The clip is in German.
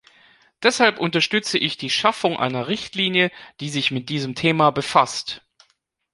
Deshalb unterstütze ich die Schaffung einer Richtlinie, die sich mit diesem Thema befasst.